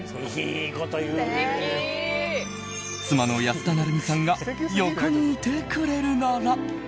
妻の安田成美さんが横にいてくれるなら。